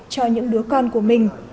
cho những đứa con của mình